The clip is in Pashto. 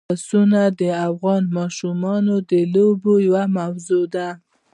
پسه د افغان ماشومانو د لوبو یوه موضوع ده.